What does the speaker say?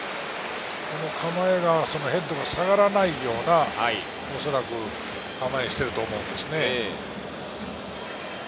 この構えが、ヘッドが下がらないような構えをしていると思うんです。